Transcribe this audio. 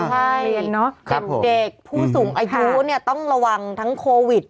ใช่กับเด็กผู้สูงอายุเนี่ยต้องระวังทั้งโควิด